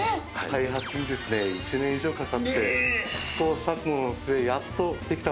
開発にですね１年以上かかって試行錯誤の末やっとできたばっかりでして。